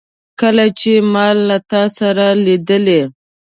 کله چي ما له تا سره لیدلې